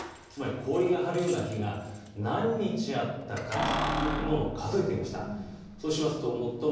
つまり氷が張るような日が何日あったかというのを数えてみました。